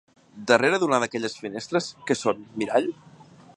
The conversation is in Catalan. Darrere d'una d'aquelles finestres que són mirall?